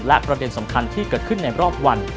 และประเด็นสำคัญที่เกิดขึ้นในรอบวัน